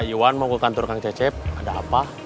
yuan mau ke kantor kang cecep ada apa